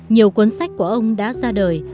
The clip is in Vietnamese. nhiều cuốn sách của ông đã ra đời